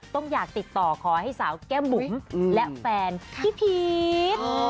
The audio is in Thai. ต้องอยากติดต่อขอให้สาวแก้มบุ๋มและแฟนพี่พีช